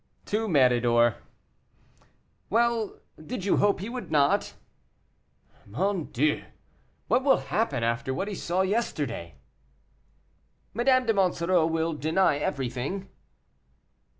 "To Méridor." "Well, did you hope he would not?" "Mon Dieu! what will happen, after what he saw yesterday?" "Madame de Monsoreau will deny everything."